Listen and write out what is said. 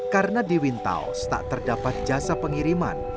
karena di wintaus tak terdapat jasa pengiriman